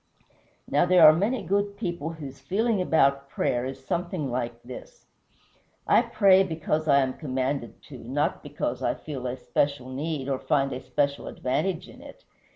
Now, there are many good people whose feeling about prayer is something like this: "I pray because I am commanded to, not because I feel a special need or find a special advantage in it.